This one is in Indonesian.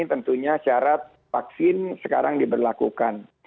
tentunya syarat vaksin sekarang diberlakukan